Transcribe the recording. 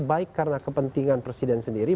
baik karena kepentingan presiden sendiri